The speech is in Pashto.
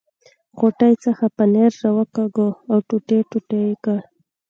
غوټې څخه پنیر را وکاږه او ټوټې ټوټې یې کړ.